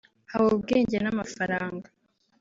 haba ubwenge n’amafaranga